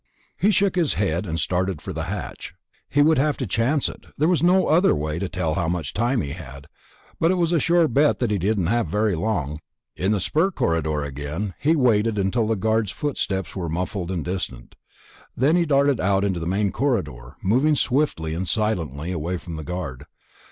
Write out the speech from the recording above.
He shook his head, and started for the hatch. He would have to chance it. There was no way to tell how much time he had, but it was a sure bet that he didn't have very long. In the spur corridor again, he waited until the guard's footsteps were muffled and distant. Then he darted out into the main corridor, moving swiftly and silently away from the guard.